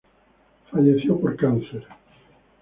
Falleció por cáncer.